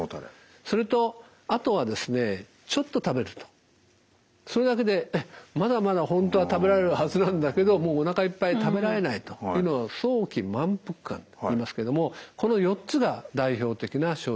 それとあとはですねちょっと食べるとそれだけでまだまだ本当は食べられるはずなんだけどもうおなかいっぱい食べられないというのを早期満腹感といいますけどもこの４つが代表的な症状です。